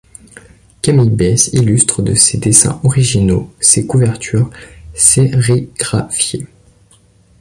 Camille Besse illustre de ses dessins originaux ces couvertures sérigraphiées.